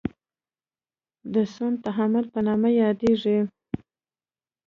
د سون تعامل په نامه یادیږي.